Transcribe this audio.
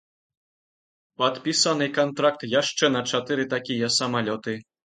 Падпісаны кантракт яшчэ на чатыры такія самалёты.